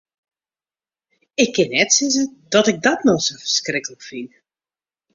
Ik kin net sizze dat ik dat no sa ferskriklik fyn.